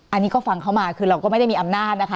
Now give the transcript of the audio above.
อันนี้ก็ฟังเขามาคือเราก็ไม่ได้มีอำนาจนะคะ